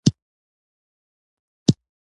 دومره ښه يم لکه ته